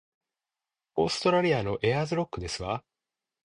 オーストラリアのエアーズロックですわ